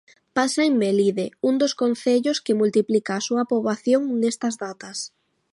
Pasa en Melide, un dos concellos que multiplica a súa poboación nestas datas.